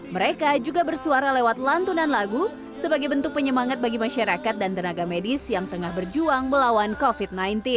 mereka juga bersuara lewat lantunan lagu sebagai bentuk penyemangat bagi masyarakat dan tenaga medis yang tengah berjuang melawan covid sembilan belas